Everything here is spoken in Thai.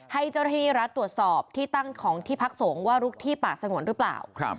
ให้เจ้าธินิรัฐตรวจสอบที่ตั้งของที่พักโสงว่าลุกที่ป่าสงวนหรือเปล่าครับ